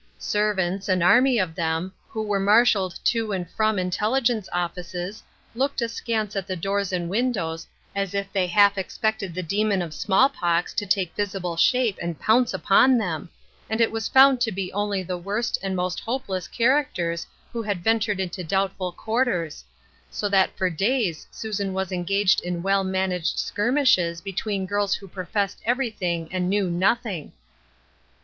Servants — an army of them — who were mar shaled to and from intelligence offices, looked askance at the doors and windows, as if they half expected the demon of small pox to take visible shape and pounce upon them, and it was found to be only the worst and most hopeless characters who had ventured into doubtful quarters, so that for days Susan was engaged in well managed skirmishes between girls who professed every thing and knew nothing.